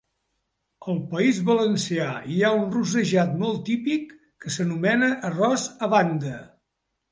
Al País Valencià, hi ha un rossejat molt típic que s'anomena arròs a banda.